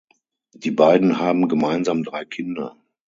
Die beiden haben gemeinsam drei Kinder.